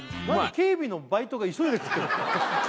警備のバイトが急いで食ってるの？